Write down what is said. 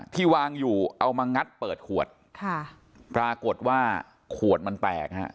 ที่วางอยู่เอามางัดเปิดขวดค่ะปรากฏว่าขวดมันแตกฮะ